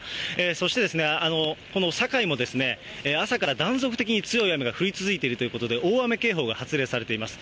そして、この堺も朝から断続的に強い雨が降り続いているということで、大雨警報が発令されています。